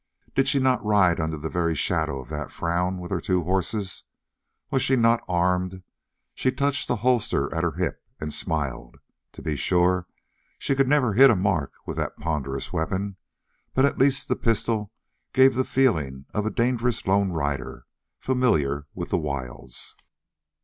Did she not ride under the very shadow of that frown with her two horses? Was she not armed? She touched the holster at her hip, and smiled. To be sure, she could never hit a mark with that ponderous weapon, but at least the pistol gave the feeling of a dangerous lone rider, familiar with the wilds.